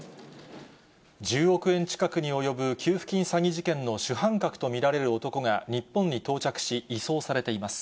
１０億円近くに及ぶ給付金詐欺事件の主犯格と見られる男が、日本に到着し、移送されています。